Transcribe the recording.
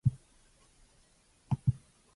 Several high-speed rail lines are under construction.